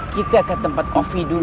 kita ke tempat ov dulu